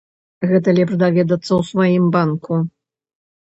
Гэта лепш даведацца ў сваім банку.